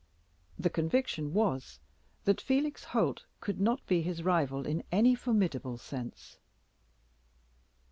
The conviction was, that Felix Holt could not be his rival in any formidable sense.